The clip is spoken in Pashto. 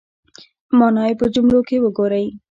مانا یې په جملو کې وګورئ